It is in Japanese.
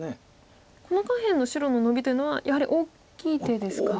この下辺の白のノビというのはやはり大きい手ですか。